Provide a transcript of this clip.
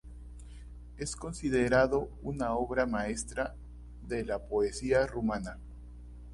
Es considerado una obra maestra de la poesía rumana.